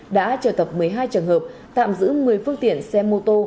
đã trở tập một mươi hai trường hợp tạm giữ một mươi phương tiện xe mô tô